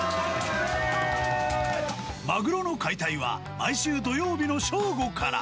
マグロの解体は、毎週土曜日の正午から。